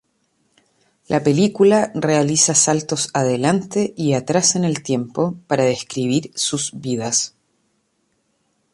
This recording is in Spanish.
La película realiza saltos adelante y atrás en el tiempo para describir sus vidas.